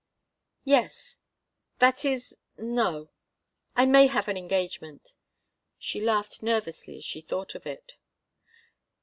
"Yes. That is no I may have an engagement." She laughed nervously as she thought of it.